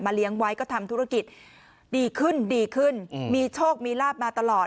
เลี้ยงไว้ก็ทำธุรกิจดีขึ้นดีขึ้นมีโชคมีลาบมาตลอด